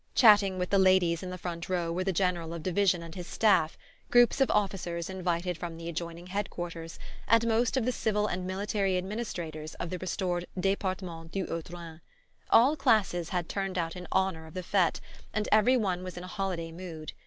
Chatting with the ladies in the front row were the General of division and his staff, groups of officers invited from the adjoining Head quarters, and most of the civil and military administrators of the restored "Departement du Haut Rhin." All classes had turned out in honour of the fete, and every one was in a holiday mood.